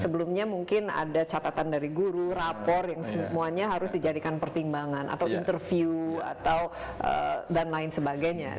sebelumnya mungkin ada catatan dari guru rapor yang semuanya harus dijadikan pertimbangan atau interview atau dan lain sebagainya